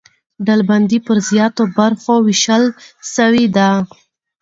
ډلبندي پر زیاتو برخو وېشل سوې ده.